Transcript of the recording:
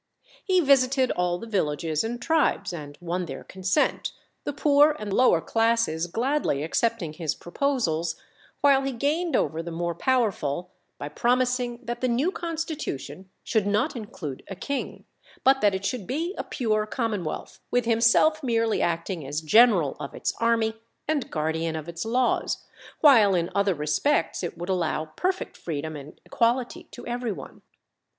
He visited all the villages and tribes, and won their consent, the poor and lower classes gladly accepting his proposals, while he gained over the more powerful by promising that the new constitution should not include a king, but that it should be a pure commonwealth, with himself merely acting as general of its army and guardian of its laws, while in other respects it would allow perfect freedom and equality to every one.